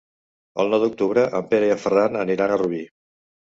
El nou d'octubre en Pere i en Ferran aniran a Rubí.